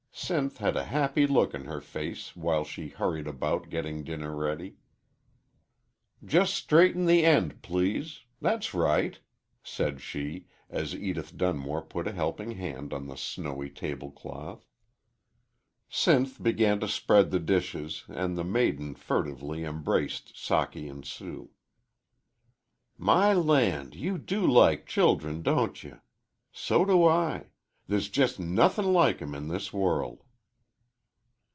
Sinth had a happy look in her face while she hurried about getting dinner ready. "Jes' straighten the end, please that's right," said she as Edith Dunmore put a helping hand on the snowy table cloth. Sinth began to spread the dishes, and the maiden furtively embraced Socky and Sue. "My land! you do like childem don't ye? So do I. They's jes' nothin' like 'em in this world."